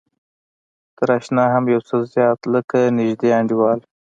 تر اشنا هم يو څه زيات لکه نژدې انډيوال.